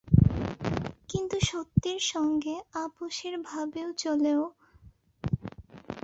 কিন্তু সত্যের সঙ্গে আপসের ভাবে চলেও জগতের এমন কিছু একটা মঙ্গল হয়নি।